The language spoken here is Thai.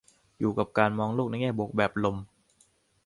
อยู่กับการมองโลกในแง่บวกแบบลม